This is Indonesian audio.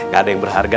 gak ada yang berharga